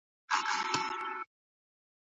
که خلګ يو بل ته غوږ ونيسي، تفاهم پيدا کېږي.